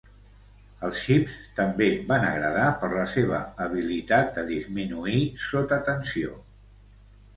Els xips també van agradar per la seva habilitat de disminuir sotatensió.